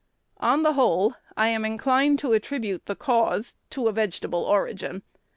On the whole, I am inclined to attribute the cause to a vegetable origin.